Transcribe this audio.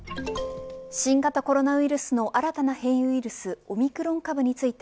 新型コロナウイルスの新たな変異ウイルスオミクロン株について